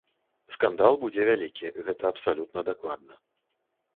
Скандал будзе вялікі, гэта абсалютна дакладна.